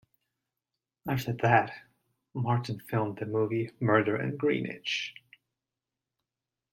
After that, Martin filmed the movie "Murder in Greenwich".